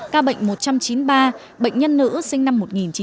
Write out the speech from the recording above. ca bệnh một trăm chín mươi ba bệnh nhân nữ sinh năm một nghìn chín trăm chín mươi chín